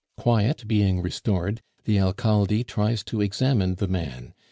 Quiet being resorted, the Alcalde tries to examine the man.